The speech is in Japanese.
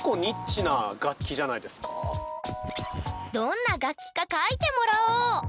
どんな楽器か描いてもらおう！